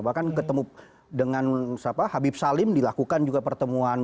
bahkan ketemu dengan habib salim dilakukan juga pertemuan